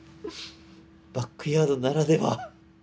バックヤードならでは。